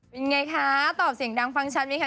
วันใหม่โรงเรียนใหม่สนุกไหมคะ